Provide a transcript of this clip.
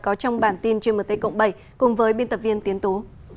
có trong bản tin gmt cộng bảy cùng với biên tập viên tiến tú